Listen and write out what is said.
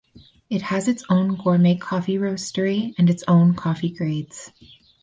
It has its own gourmet coffee roastery and its own coffee grades.